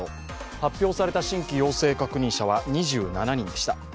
発表された新規陽性確認者は２７人でした。